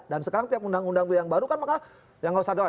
dan sekarang tiap undang undang itu yang baru kan maka ya nggak usah doang